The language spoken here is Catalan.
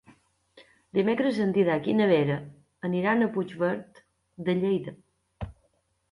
Dimecres en Dídac i na Vera aniran a Puigverd de Lleida.